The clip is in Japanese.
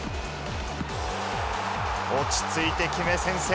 落ち着いて決め、先制。